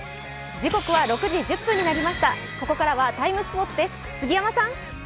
ここからは「ＴＩＭＥ，スポーツ」です、杉山さん。